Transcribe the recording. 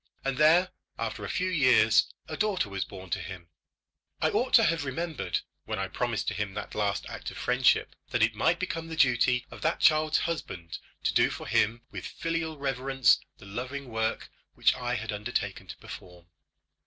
But there, after a few years, a daughter was born to him, and I ought to have remembered, when I promised to him that last act of friendship, that it might become the duty of that child's husband to do for him with filial reverence the loving work which I had undertaken to perform.